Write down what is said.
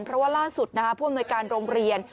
เพราะว่าล่าสุดพวกมนุยการโรงเรียน